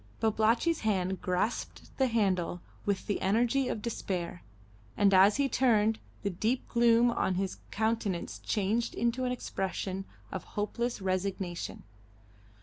Babalatchi's hand grasped the handle with the energy of despair, and as he turned, the deep gloom on his countenance changed into an expression of hopeless resignation.